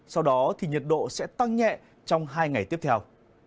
sau đó thì nhiệt độ sẽ tăng nhẹ trong hai ngày tiếp theo